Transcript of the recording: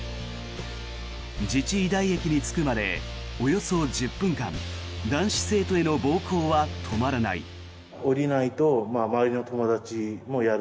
自治医大駅に着くまでおよそ１０分間男子生徒への暴行は止まらない。